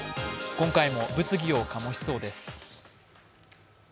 今回も物議を醸しそうです。